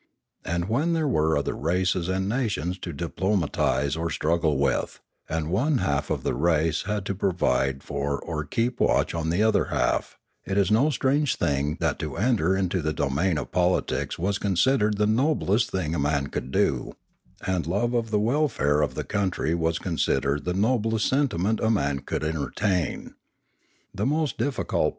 And, when there were other races and nations to diplomatise or struggle with, and one half of the race had to pro vide for or keep watch on the other half, it is no strange Ethics 613 thing that to enter into the domain of politics was con sidered the noblest thing a man could do, and love of the welfare of the country was considered the noblest sentiment a man could entertain. The most difficult